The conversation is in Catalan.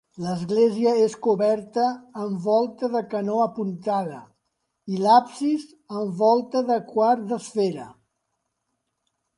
L'església és coberta amb volta de canó apuntada i l'absis, amb volta de quart d'esfera.